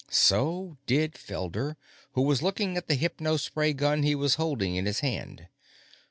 So did Felder, who was looking at the hypospray gun he was holding in his hand.